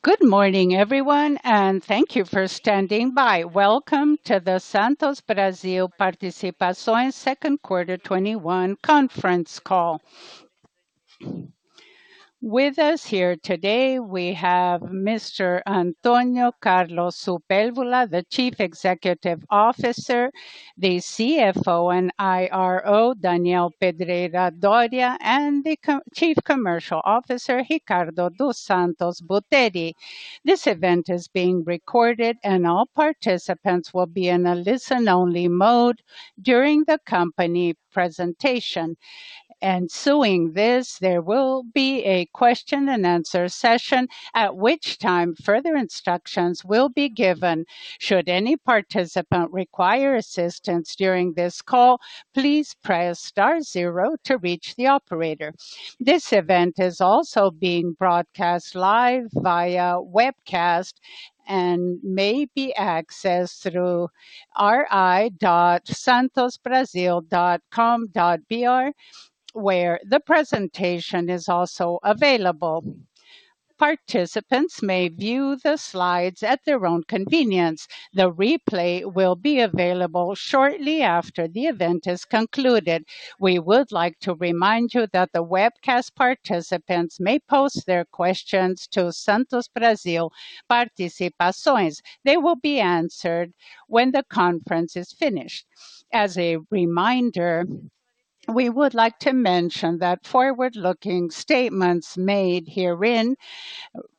Good morning everyone, and thank you for standing by. Welcome to the Santos Brasil Participações second quarter 2021 conference call. With us here today, we have Mr. Antônio Carlos Duarte Sepúlveda, the Chief Executive Officer, the CFO and IRO, Daniel Pedreira Dorea, and the Chief Commercial Officer, Ricardo dos Santos Buteri. This event is being recorded. All participants will be in a listen-only mode during the company presentation. Ensuing this, there will be a question-and-answer session, at which time further instructions will be given. Should any participant require assistance during this call, please press star zero to reach the operator. This event is also being broadcast live via webcast and may be accessed through ri.santosbrasil.com.br, where the presentation is also available. Participants may view the slides at their own convenience. The replay will be available shortly after the event is concluded. We would like to remind you that the webcast participants may pose their questions to Santos Brasil Participações. They will be answered when the conference is finished. As a reminder, we would like to mention that forward-looking statements made herein,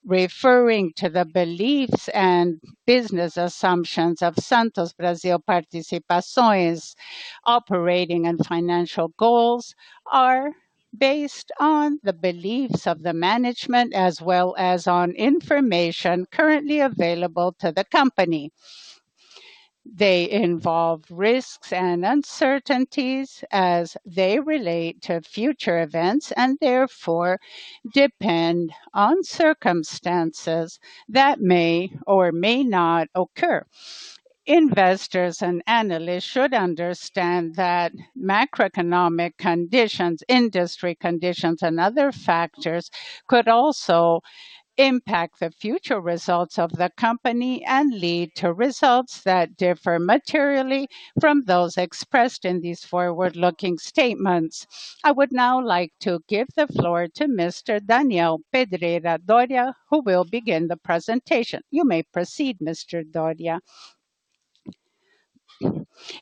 referring to the beliefs and business assumptions of Santos Brasil Participações' operating and financial goals, are based on the beliefs of the management as well as on information currently available to the company. They involve risks and uncertainties as they relate to future events and therefore depend on circumstances that may or may not occur. Investors and analysts should understand that macroeconomic conditions, industry conditions, and other factors could also impact the future results of the company and lead to results that differ materially from those expressed in these forward-looking statements. I would now like to give the floor to Mr. Daniel Pedreira Dorea, who will begin the presentation. You may proceed, Mr. Dorea.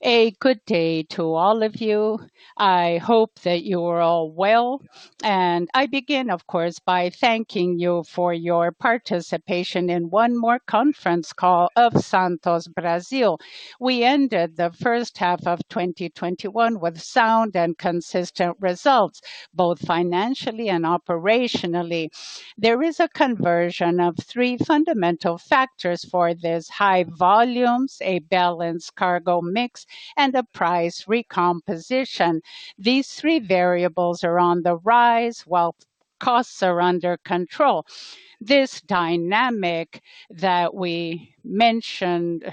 A good day to all of you. I hope that you are all well. I begin, of course, by thanking you for your participation in one more conference call of Santos Brasil. We ended the first half of 2021 with sound and consistent results, both financially and operationally. There is a conversion of three fundamental factors for this: high volumes, a balanced cargo mix, and a price recomposition. These three variables are on the rise while costs are under control. This dynamic that we mentioned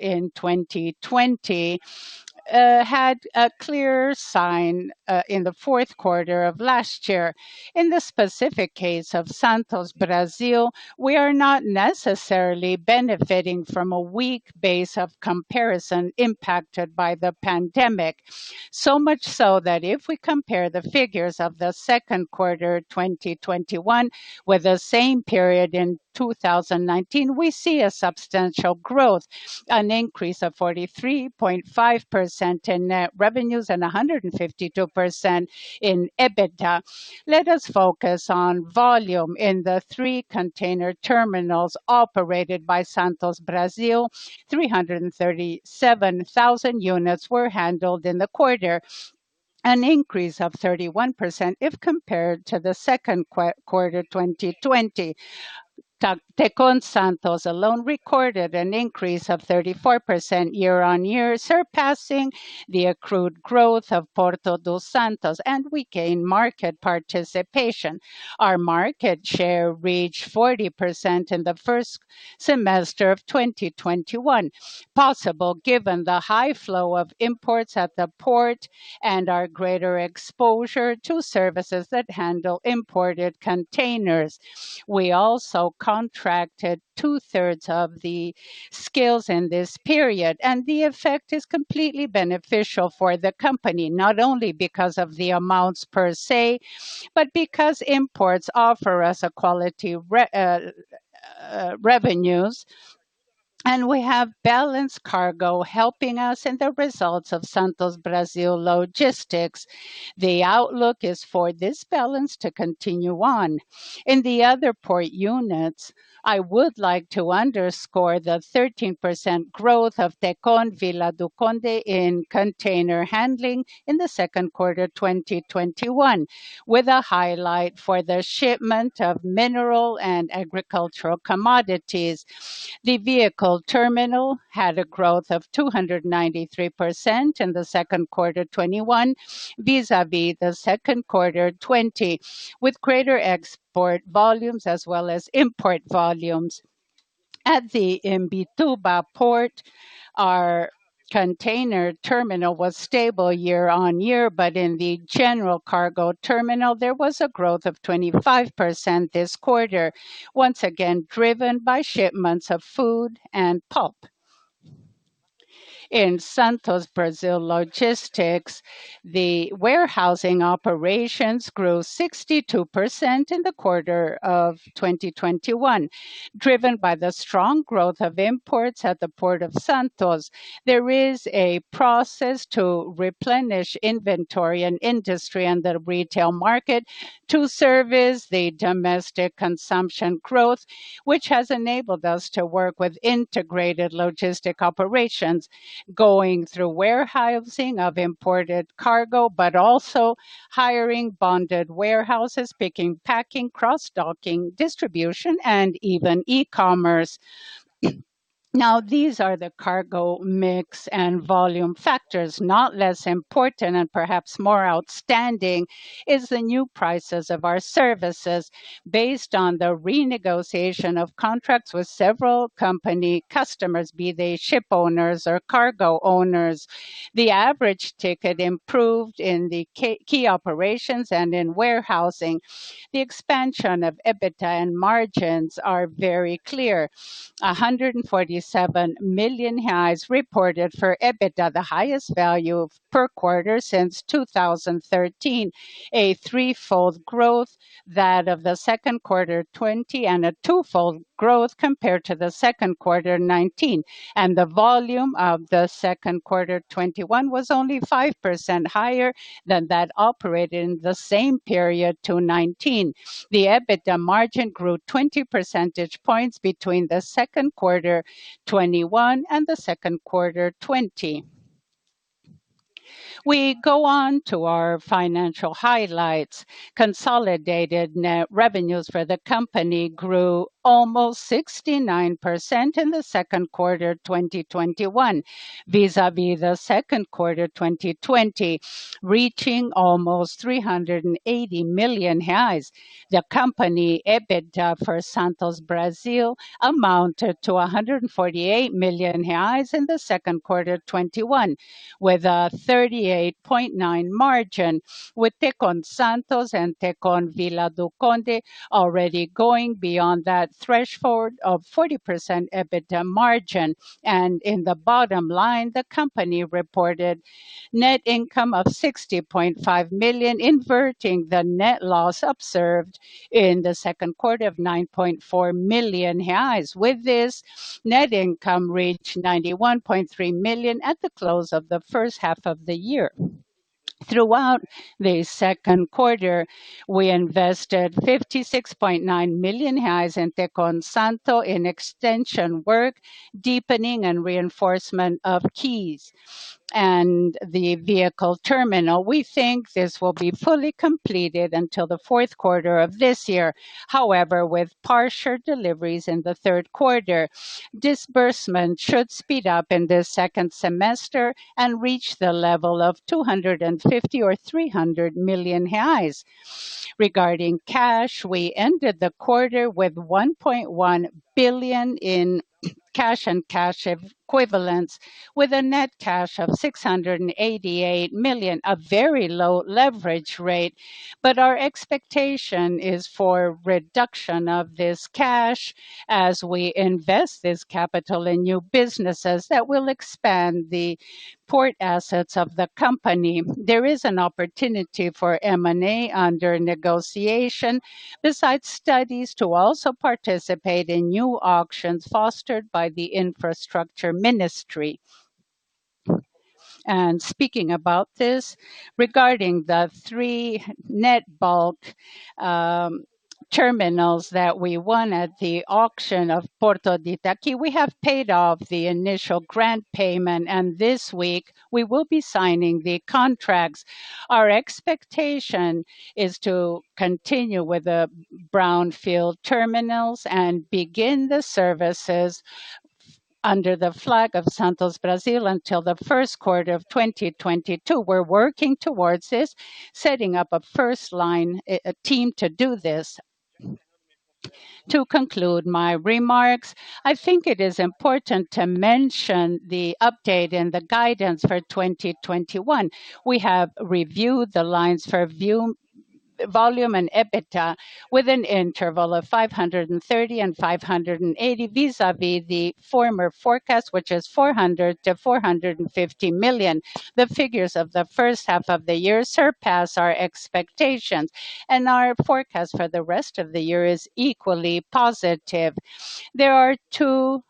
in 2020 had a clear sign in the fourth quarter of last year. In the specific case of Santos Brasil, we are not necessarily benefiting from a weak base of comparison impacted by the pandemic. So much so that if we compare the figures of the second quarter 2021 with the same period in 2019, we see a substantial growth, an increase of 43.5% in net revenues and 152% in EBITDA. Let us focus on volume in the three container terminals operated by Santos Brasil. 337,000 units were handled in the quarter, an increase of 31% if compared to the second quarter 2020. Tecon Santos alone recorded an increase of 34% year-on-year, surpassing the accrued growth of Porto de Santos, and we gained market participation. Our market share reached 40% in the first semester of 2021, possible given the high flow of imports at the port and our greater exposure to services that handle imported containers. We also contracted 2/3 of the [skills] in this period. The effect is completely beneficial for the company, not only because of the amounts per se, but because imports offer us a quality revenues. We have balanced cargo helping us in the results of Santos Brasil Logística. The outlook is for this balance to continue on. In the other port units, I would like to underscore the 13% growth of Tecon Vila do Conde in container handling in the second quarter 2021, with a highlight for the shipment of mineral and agricultural commodities. The Vehicle Terminal had a growth of 293% in the second quarter 2021 vis-a-vis the second quarter 2020, with greater export volumes as well as import volumes. At the Port of Imbituba, our container terminal was stable year-over-year, but in the general cargo terminal, there was a growth of 25% this quarter, once again driven by shipments of food and pulp. In Santos Brasil Logística, the warehousing operations grew 62% in the quarter of 2021, driven by the strong growth of imports at the Porto de Santos. There is a process to replenish inventory in industry and the retail market to service the domestic consumption growth, which has enabled us to work with integrated logistics operations, going through warehousing of imported cargo, but also hiring bonded warehouses, picking, packing, cross-docking, distribution, and even e-commerce. These are the cargo mix and volume factors. Not less important and perhaps more outstanding is the new prices of our services based on the renegotiation of contracts with several company customers, be they ship owners or cargo owners. The average ticket improved in the key operations and in warehousing. The expansion of EBITDA and margins are very clear. 147 million reported for EBITDA, the highest value per quarter since 2013. A three-fold growth that of the second quarter 2020, and a two-fold growth compared to the second quarter 2019. The volume of the second quarter 2021 was only 5% higher than that operated in the same period to 2019. The EBITDA margin grew 20 percentage points between the second quarter 2021 and the second quarter 2020. We go on to our financial highlights. Consolidated net revenues for the company grew almost 69% in the second quarter 2021, vis-a-vis the second quarter 2020, reaching almost 380 million reais. The company EBITDA for Santos Brasil amounted to 148 million reais in the second quarter 2021, with a 38.9% margin, with Tecon Santos and Tecon Vila do Conde already going beyond that threshold of 40% EBITDA margin. In the bottom line, the company reported net income of 60.5 million, inverting the net loss observed in the second quarter of 9.4 million reais. With this, net income reached 91.3 million at the close of the first half of the year. Throughout the second quarter, we invested 56.1 million reais in Tecon Santos in extension work, deepening, and reinforcement of quays and the Vehicle Terminal. We think this will be fully completed until the fourth quarter of this year. However, with partial deliveries in the third quarter, disbursement should speed up in the second semester and reach the level of 250 million or 300 million. Regarding cash, we ended the quarter with 1.1 billion in cash and cash equivalents with a net cash of 688 million, a very low leverage rate. Our expectation is for reduction of this cash as we invest this capital in new businesses that will expand the port assets of the company. There is an opportunity for M&A under negotiation, besides studies to also participate in new auctions fostered by the infrastructure ministry. Speaking about this, regarding the three [liquid] bulk terminals that we won at the auction of Porto do Itaqui, we have paid off the initial grant payment, and this week, we will be signing the contracts. Our expectation is to continue with the brownfield terminals and begin the services under the flag of Santos Brasil until the first quarter of 2022. We're working towards this, setting up a first-line team to do this. To conclude my remarks, I think it is important to mention the update and the guidance for 2021. We have reviewed the lines for volume and EBITDA with an interval of 530 and 580 vis-a-vis the former forecast, which is 400 million-450 million. The figures of the first half of the year surpass our expectations. Our forecast for the rest of the year is equally positive. There are two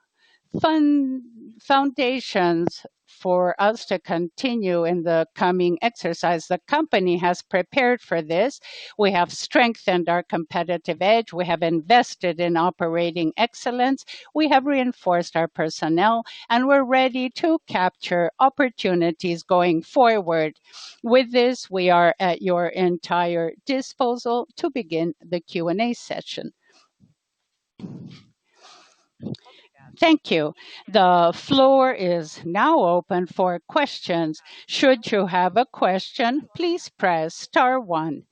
foundations for us to continue in the coming exercise. The company has prepared for this. We have strengthened our competitive edge. We have invested in operating excellence. We have reinforced our personnel. We're ready to capture opportunities going forward. With this, we are at your entire disposal to begin the Q&A session. Thank you. The floor is now open for questions. Should you have a question, please press star one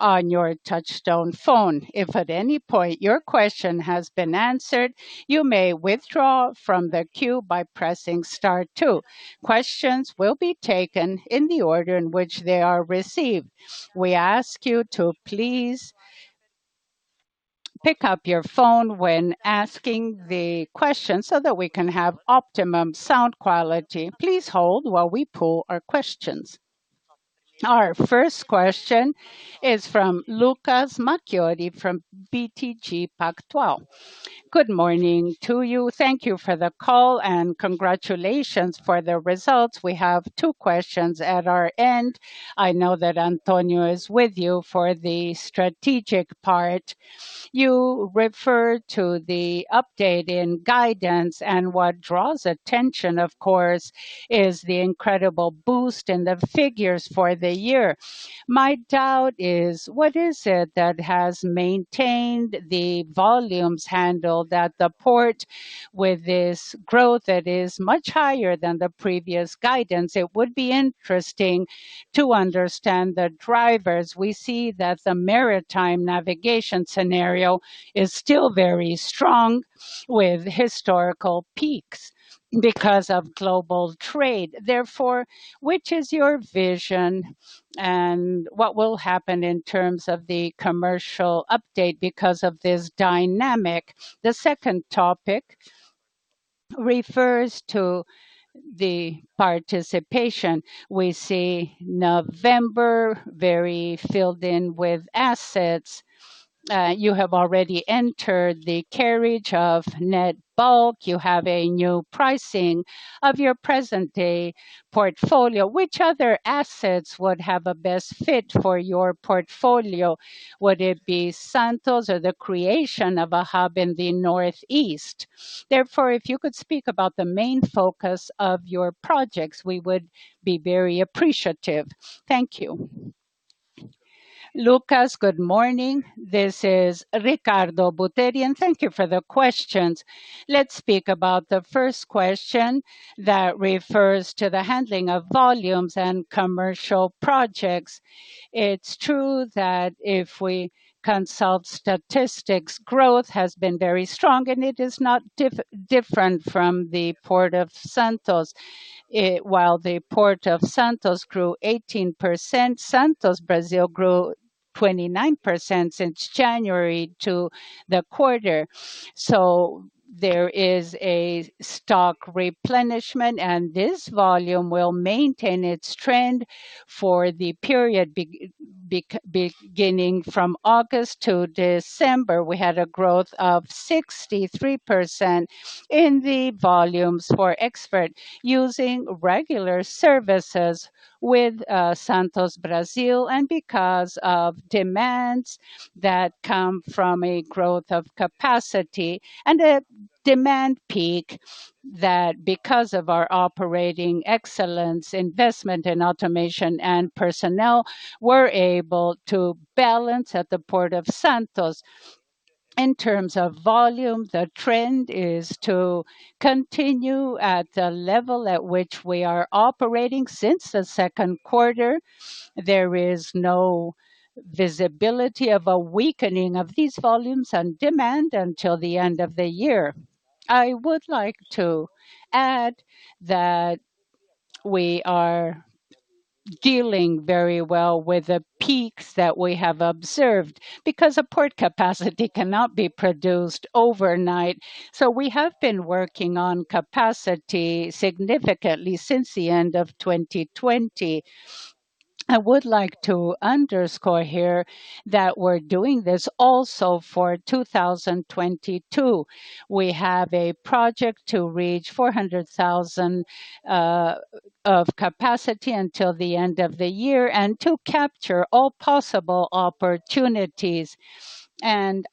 on your touchstone phone. If at any point your question has been answered, you may withdraw from the queue by pressing star two. Questions will be taken in the order in which they are received. We ask you to please pick up your phone when asking the question so that we can have optimum sound quality. Our first question is from Lucas Marquiori from BTG Pactual. Good morning to you. Thank you for the call, and congratulations for the results. We have two questions at our end. I know that Antônio is with you for the strategic part. You referred to the update in guidance and what draws attention, of course, is the incredible boost in the figures for the year. My doubt is what is it that has maintained the volumes handled at the port with this growth that is much higher than the previous guidance? It would be interesting to understand the drivers. We see that the maritime navigation scenario is still very strong with historical peaks because of global trade. Therefore, which is your vision and what will happen in terms of the commercial update because of this dynamic? The second topic refers to the participation. We see November very filled in with assets. You have already entered the carriage of liquid bulk. You have a new pricing of your present-day portfolio. Which other assets would have a best fit for your portfolio? Would it be Porto de Santos or the creation of a hub in the Northeast? Therefore, if you could speak about the main focus of your projects, we would be very appreciative. Thank you. Lucas, good morning. This is Ricardo Buteri, and thank you for the questions. Let's speak about the first question that refers to the handling of volumes and commercial projects. It's true that if we consult statistics, growth has been very strong, and it is not different from the Porto de Santos. While the Porto de Santos grew 18%, Santos Brasil grew 29% since January to the quarter. There is a stock replenishment, and this volume will maintain its trend for the period beginning from August to December. We had a growth of 63% in the volumes for export using regular services with Santos Brasil, because of demands that come from a growth of capacity and a demand peak that because of our operating excellence, investment in automation, and personnel, we're able to balance at the Port of Santos. In terms of volume, the trend is to continue at the level at which we are operating since the second quarter. There is no visibility of a weakening of these volumes and demand until the end of the year. I would like to add that we are dealing very well with the peaks that we have observed because a port capacity cannot be produced overnight. We have been working on capacity significantly since the end of 2020. I would like to underscore here that we're doing this also for 2022. We have a project to reach 400,000 of capacity until the end of the year and to capture all possible opportunities.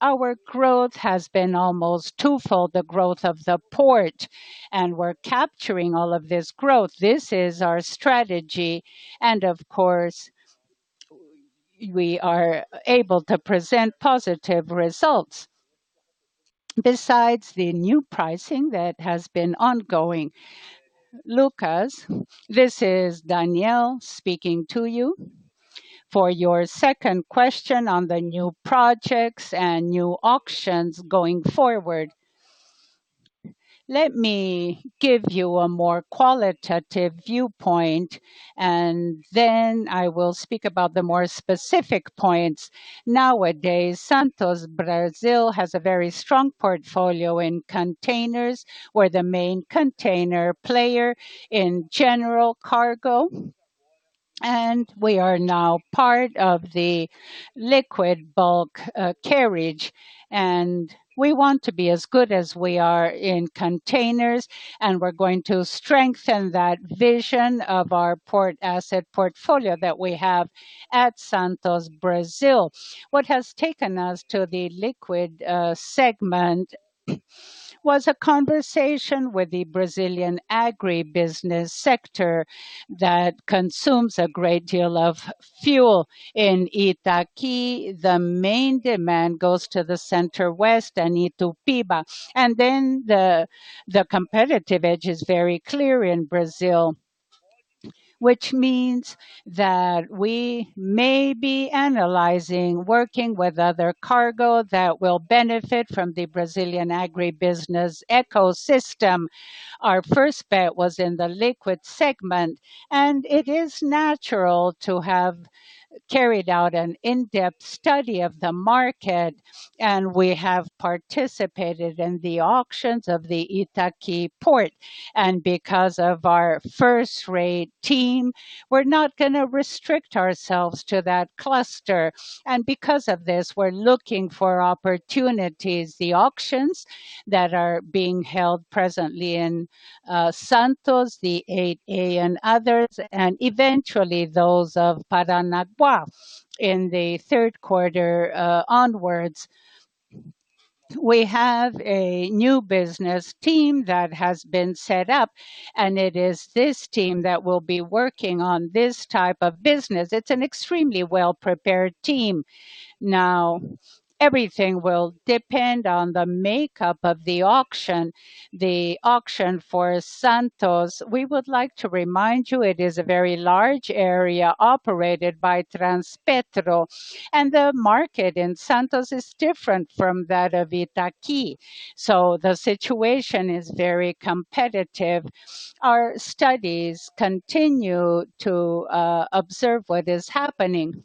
Our growth has been almost twofold the growth of the port, and we're capturing all of this growth. This is our strategy, of course, we are able to present positive results besides the new pricing that has been ongoing. Lucas, this is Daniel speaking to you. For your second question on the new projects and new auctions going forward, let me give you a more qualitative viewpoint, then I will speak about the more specific points. Nowadays, Santos Brasil has a very strong portfolio in containers. We're the main container player in general cargo, and we are now part of the liquid bulk carriage, and we want to be as good as we are in containers, and we're going to strengthen that vision of our port asset portfolio that we have at Santos Brasil. What has taken us to the liquid segment was a conversation with the Brazilian agribusiness sector that consumes a great deal of fuel in Itaqui. The main demand goes to the Center-West and Matopiba. The competitive edge is very clear in Brazil, which means that we may be analyzing working with other cargo that will benefit from the Brazilian agribusiness ecosystem. Our first bet was in the liquid segment. It is natural to have carried out an in-depth study of the market, and we have participated in the auctions of the Itaqui port. Because of our first-rate team, we're not going to restrict ourselves to that cluster. Because of this, we're looking for opportunities, the auctions that are being held presently in Santos, the STS08A, and others, and eventually those of Paranaguá in the third quarter onwards. We have a new business team that has been set up, and it is this team that will be working on this type of business. It's an extremely well-prepared team. Now, everything will depend on the makeup of the auction. The auction for Santos, we would like to remind you, it is a very large area operated by Transpetro, and the market in Santos is different from that of Itaqui. The situation is very competitive. Our studies continue to observe what is happening.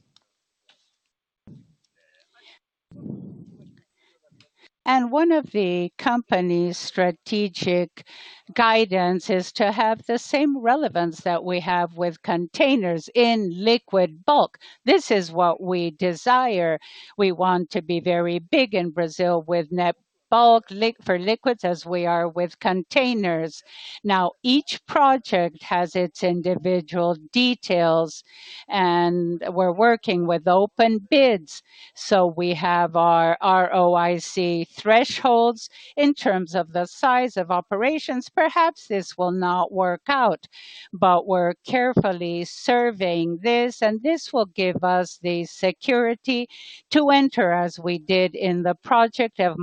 One of the company's strategic guidance is to have the same relevance that we have with containers in liquid bulk. This is what we desire. We want to be very big in Brazil with wet bulk for liquids as we are with containers. Each project has its individual details, and we're working with open bids. We have our ROIC thresholds in terms of the size of operations. Perhaps this will not work out, but we're carefully surveying this, and this will give us the security to enter as we did in the project of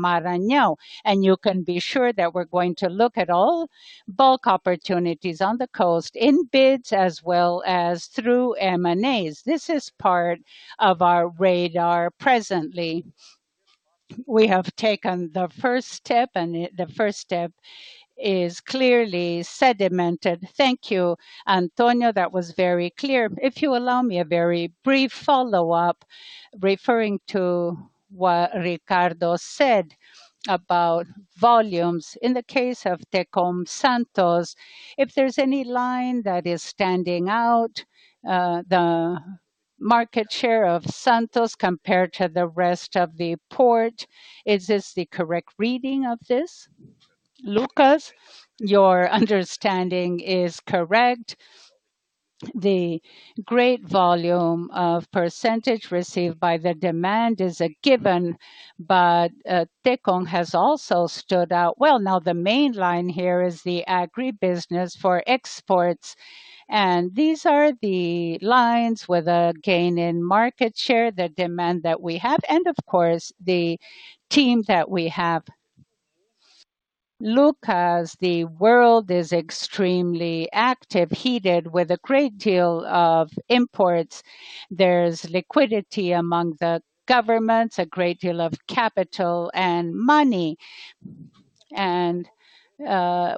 Maranhão. You can be sure that we're going to look at all bulk opportunities on the coast in bids as well as through M&As. This is part of our radar presently. We have taken the first step, and the first step is clearly sedimented. Thank you, Antonio. That was very clear. If you allow me a very brief follow-up referring to what Ricardo said about volumes. In the case of Tecon Santos, if there's any line that is standing out, the market share of Santos compared to the rest of the port, is this the correct reading of this? Lucas, your understanding is correct. The great volume of percentage received by the demand is a given, but Tecon has also stood out well. Now, the main line here is the agribusiness for exports, and these are the lines with a gain in market share, the demand that we have, and of course, the team that we have. Lucas, the world is extremely active, heated with a great deal of imports. There's liquidity among the governments, a great deal of capital and money.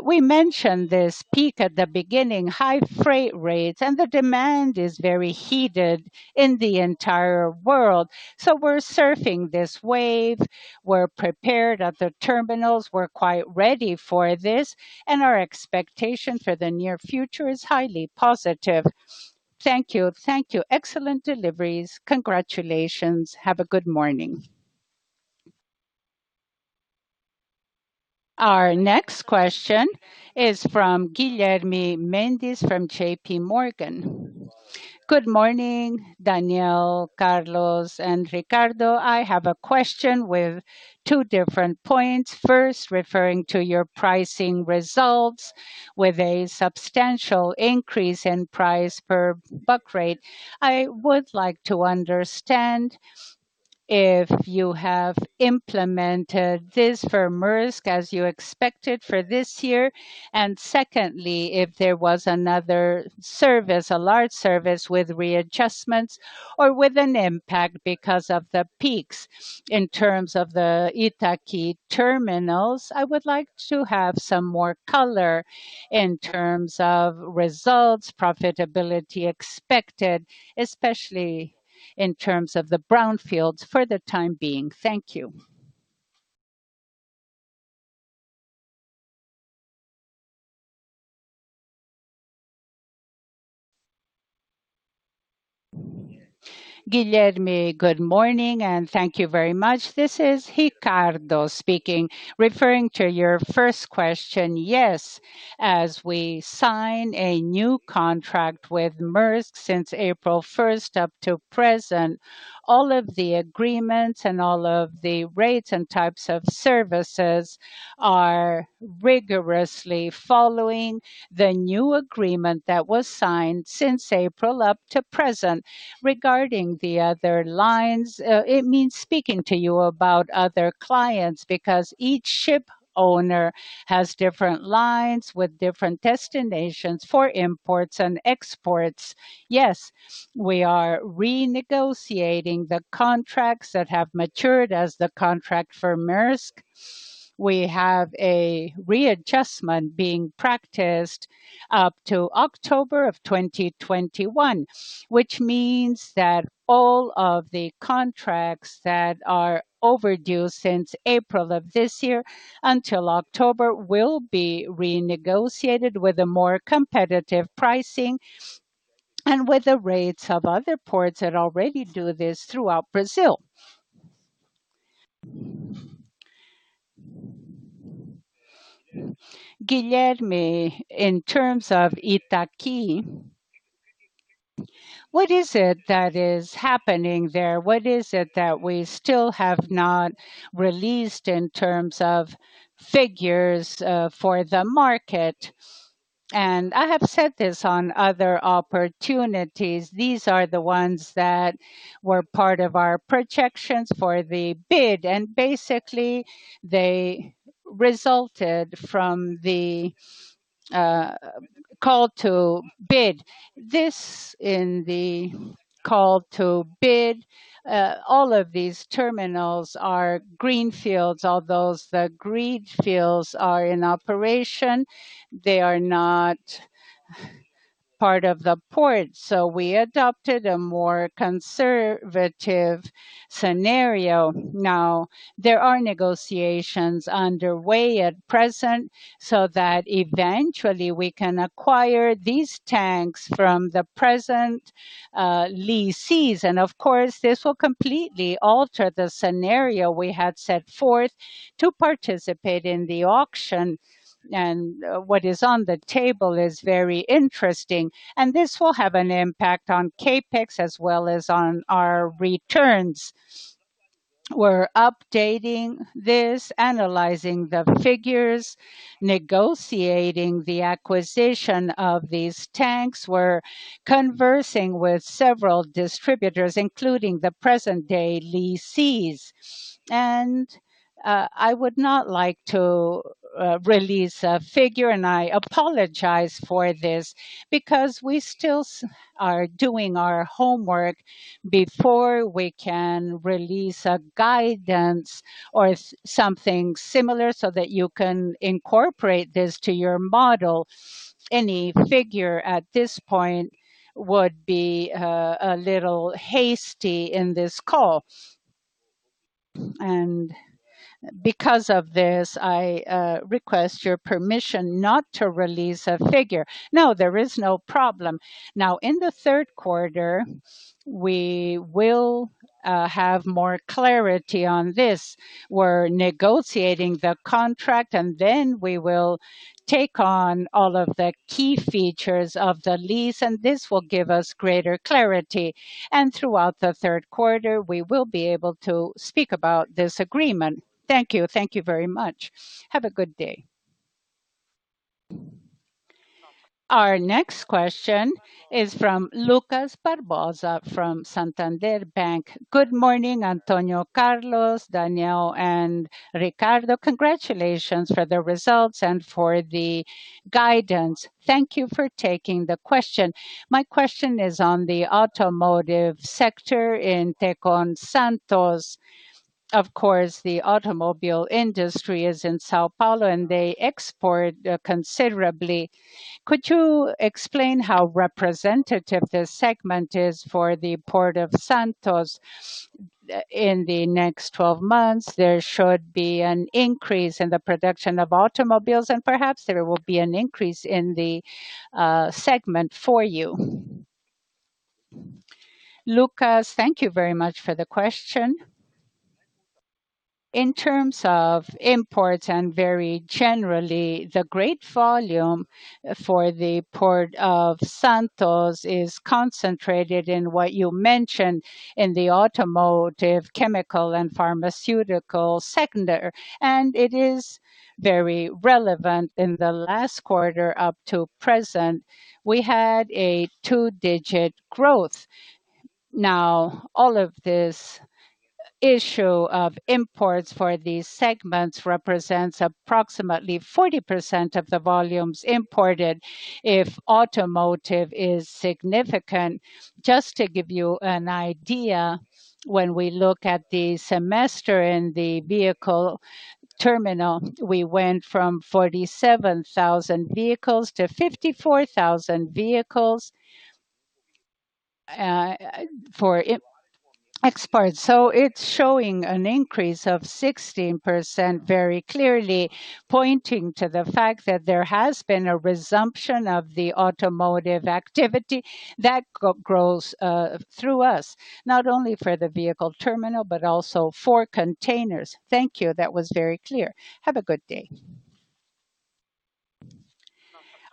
We mentioned this peak at the beginning, high freight rates, and the demand is very heated in the entire world. We're surfing this wave. We're prepared at the terminals. We're quite ready for this, and our expectation for the near future is highly positive. Thank you. Thank you. Excellent deliveries. Congratulations. Have a good morning. Our next question is from Guilherme Mendes from JPMorgan. Good morning, Daniel, Carlos, and Ricardo. I have a question with two different points. First, referring to your pricing results with a substantial increase in price per box rate, I would like to understand if you have implemented this for Maersk as you expected for this year. Secondly, if there was another service, a large service with readjustments or with an impact because of the peaks. In terms of the Itaqui terminals, I would like to have some more color in terms of results, profitability expected, especially in terms of the brownfields for the time being. Thank you. Guilherme, good morning, and thank you very much. This is Ricardo speaking. Referring to your first question, yes, as we sign a new contract with Maersk since April 1st up to present, all of the agreements and all of the rates and types of services are rigorously following the new agreement that was signed since April up to present. Regarding the other lines, it means speaking to you about other clients because each ship owner has different lines with different destinations for imports and exports. Yes, we are renegotiating the contracts that have matured as the contract for Maersk. We have a readjustment being practiced up to October 2021, which means that all of the contracts that are overdue since April of this year until October will be renegotiated with a more competitive pricing and with the rates of other ports that already do this throughout Brazil. Guilherme, in terms of Itaqui, what is it that is happening there? What is it that we still have not released in terms of figures for the market? I have said this on other opportunities, these are the ones that were part of our projections for the bid, and basically, they resulted from the call to bid. This in the call to bid, all of these terminals are greenfields. Although the greenfields are in operation, they are not part of the port. We adopted a more conservative scenario. Now, there are negotiations underway at present so that eventually we can acquire these tanks from the present lessees. Of course, this will completely alter the scenario we had set forth to participate in the auction. What is on the table is very interesting, and this will have an impact on CapEx as well as on our returns. We're updating this, analyzing the figures, negotiating the acquisition of these tanks. We're conversing with several distributors, including the present-day lessees. I would not like to release a figure, and I apologize for this, because we still are doing our homework before we can release a guidance or something similar so that you can incorporate this to your model. Any figure at this point would be a little hasty in this call. Because of this, I request your permission not to release a figure. No, there is no problem. In the third quarter, we will have more clarity on this. We're negotiating the contract, and then we will take on all of the key features of the lease, and this will give us greater clarity. Throughout the third quarter, we will be able to speak about this agreement. Thank you. Thank you very much. Have a good day. Our next question is from Lucas Barbosa from Santander. Good morning, Antônio Carlos, Daniel, and Ricardo. Congratulations for the results and for the guidance. Thank you for taking the question. My question is on the automotive sector in Tecon Santos. Of course, the automobile industry is in São Paulo, and they export considerably. Could you explain how representative this segment is for the Port of Santos? In the next 12 months, there should be an increase in the production of automobiles, and perhaps there will be an increase in the segment for you. Lucas, thank you very much for the question. In terms of imports and very generally, the great volume for the Port of Santos is concentrated in what you mentioned in the automotive, chemical, and pharmaceutical sector, and it is very relevant. In the last quarter up to present, we had a two-digit growth. Now, all of this issue of imports for these segments represents approximately 40% of the volumes imported if automotive is significant. Just to give you an idea, when we look at the semester in the Vehicle Terminal, we went from 47,000 vehicles to 54,000 vehicles for exports. It's showing an increase of 16%, very clearly pointing to the fact that there has been a resumption of the automotive activity that grows through us, not only for the Vehicle Terminal, but also for containers. Thank you. That was very clear. Have a good day.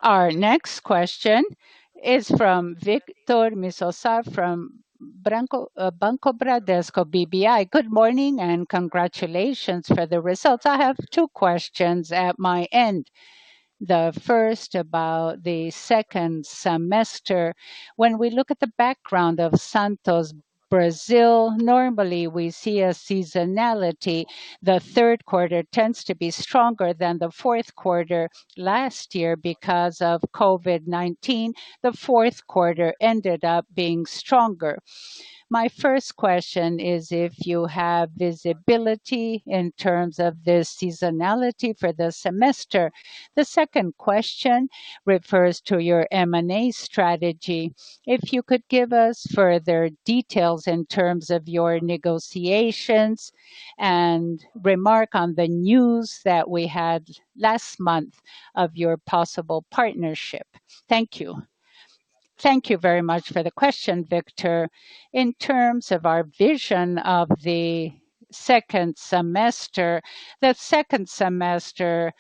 Our next question is from Victor Mizusaki from Banco Bradesco BBI. Good morning and congratulations for the results. I have two questions at my end. The first about the second semester. When we look at the background of Santos Brasil, normally we see a seasonality. The third quarter tends to be stronger than the fourth quarter. Last year, because of COVID-19, the fourth quarter ended up being stronger. My first question is if you have visibility in terms of the seasonality for the semester. The second question refers to your M&A strategy. If you could give us further details in terms of your negotiations and remark on the news that we had last month of your possible partnership. Thank you. Thank you very much for the question, Victor. In terms of our vision of the second semester, the second semester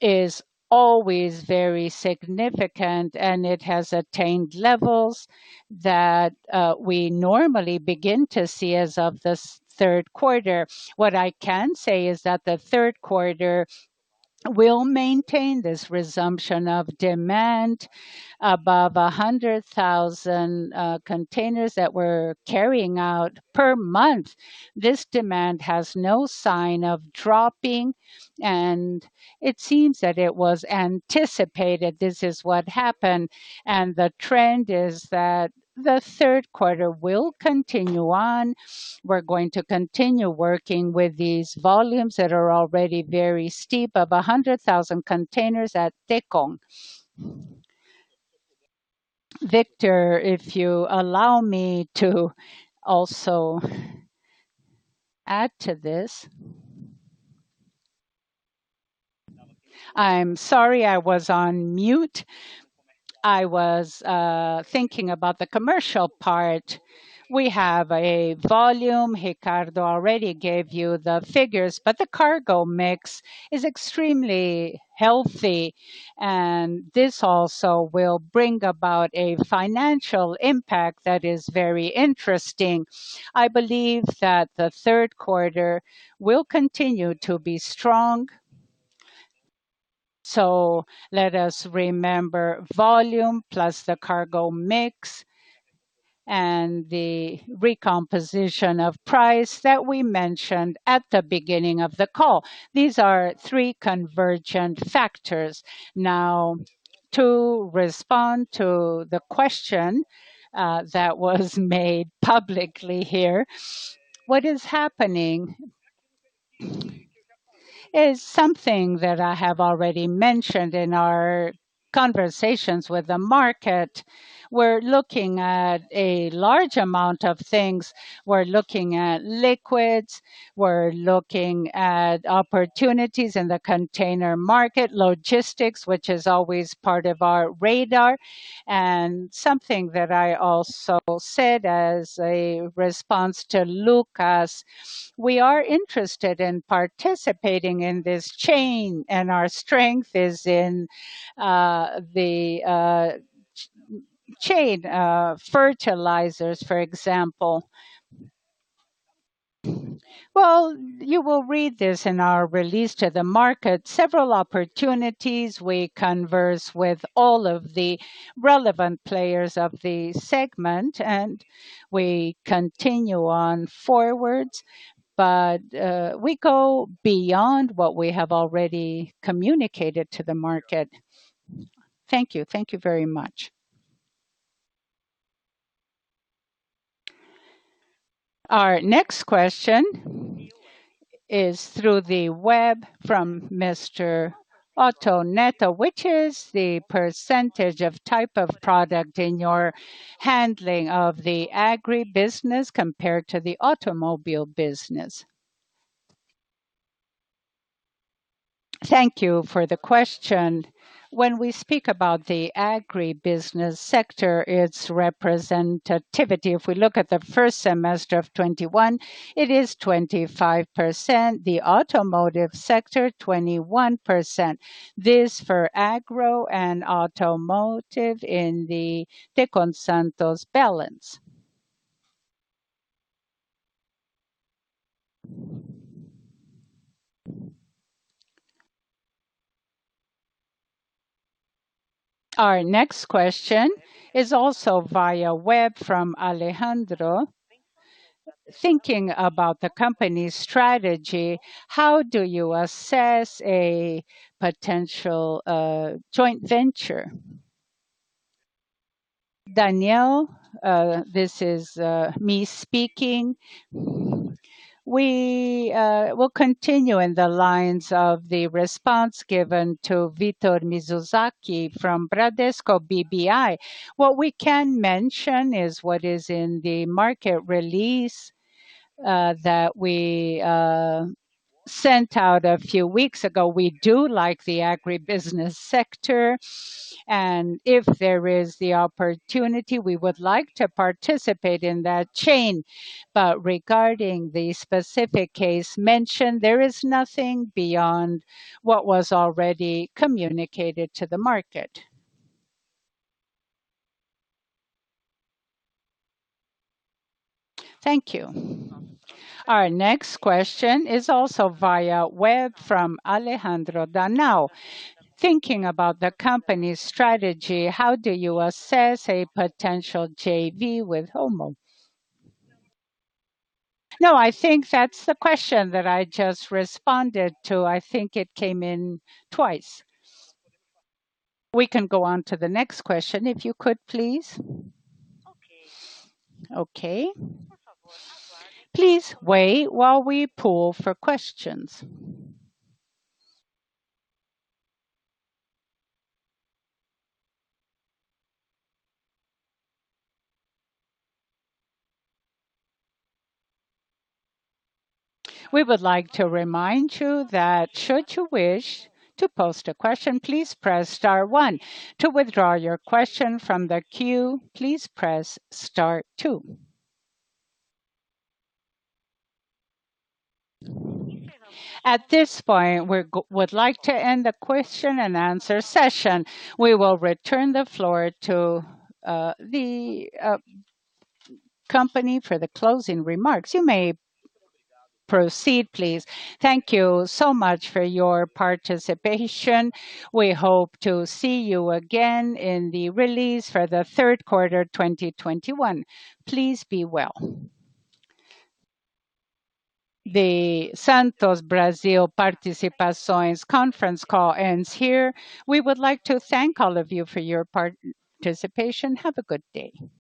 is always very significant, and it has attained levels that we normally begin to see as of the third quarter. What I can say is that the third quarter will maintain this resumption of demand above 100,000 containers that we're carrying out per month. This demand has no sign of dropping, and it seems that it was anticipated. This is what happened, and the trend is that the third quarter will continue on. We're going to continue working with these volumes that are already very steep of 100,000 containers at Tecon. Victor, if you allow me to also add to this. I'm sorry, I was on mute. I was thinking about the commercial part. We have a volume, Ricardo already gave you the figures, but the cargo mix is extremely healthy, and this also will bring about a financial impact that is very interesting. I believe that the third quarter will continue to be strong. Let us remember volume plus the cargo mix and the recomposition of price that we mentioned at the beginning of the call. These are three convergent factors. To respond to the question that was made publicly here, what is happening is something that I have already mentioned in our conversations with the market. We're looking at a large amount of things. We're looking at liquids, we're looking at opportunities in the container market, logistics, which is always part of our radar, and something that I also said as a response to Lucas, we are interested in participating in this chain, and our strength is in the chain. Fertilizers, for example. Well, you will read this in our release to the market. Several opportunities, we converse with all of the relevant players of the segment, and we continue on forwards. We go beyond what we have already communicated to the market. Thank you. Thank you very much. Our next question is through the web from Mr. Otto Neto. Which is the percentage of type of product in your handling of the agribusiness compared to the automobile business? Thank you for the question. When we speak about the agribusiness sector, its representativity, if we look at the 1st semester of 2021, it is 25%, the automotive sector, 21%. This for agro and automotive in the Tecon Santos balance. Our next question is also via web from Alejandro. Thinking about the company's strategy, how do you assess a potential joint venture? Daniel, this is me speaking. We will continue in the lines of the response given to Victor Mizusaki from Bradesco BBI. What we can mention is what is in the market release that we sent out a few weeks ago. We do like the agribusiness sector, and if there is the opportunity, we would like to participate in that chain. Regarding the specific case mentioned, there is nothing beyond what was already communicated to the market. Thank you. Our next question is also via web from Alejandro Danao. Thinking about the company's strategy, how do you assess a potential JV with [Rumo]? I think that's the question that I just responded to. I think it came in twice. We can go on to the next question, if you could, please. Okay. Please wait while we pull for questions. We would like to remind you that should you wish to post a questions, please press star one. To withdraw your questions from the queue, please press star two. At this point, we would like to end the question-and-answer session. We would like to return the floor to the company for the closing remarks. You may proceed, please. Thank you so much for your participation. We hope to see you again in the release for the third quarter 2021. Please be well. The Santos Brasil Participações conference call ends here. We would like to thank all of you for your participation. Have a good day.